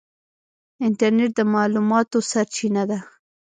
انټرنیټ د معلوماتو سرچینه ده.